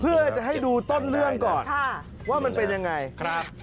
เพื่อจะให้ดูต้นเรื่องก่อนว่ามันเป็นยังไงครับ